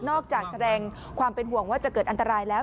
จากแสดงความเป็นห่วงว่าจะเกิดอันตรายแล้ว